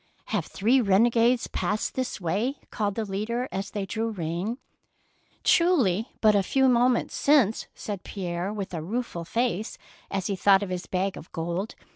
" Have three renegadoes passed this 10 145 DEEDS OF DABING way ? called the leader, as they drew rein. "Truly, but a few moments since,'' said Pierre, with a rueful face, as he thought of his bag of gold.